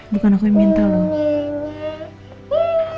bukan aku yang minta loh